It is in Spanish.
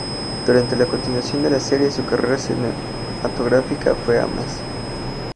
Durante la continuación de la serie, su carrera cinematográfica fue a más.